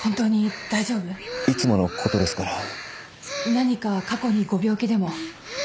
何か過去にご病気でも？